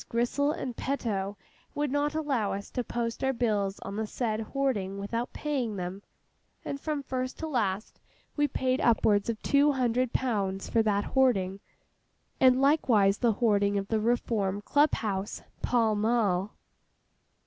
Grissell and Peto would not allow us to post our bills on the said hoarding without paying them—and from first to last we paid upwards of two hundred pounds for that hoarding, and likewise the hoarding of the Reform Club house, Pall Mall."